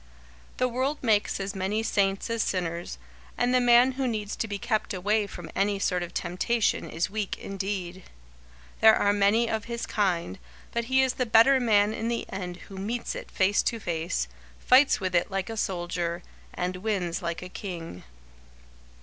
The world makes as many saints as sinners, and the man who needs to be kept away from any sort of temptation is weak indeed. There are many of his kind, but he is the better man in the end who meets it face to face, fights with it like a soldier, and wins like a king.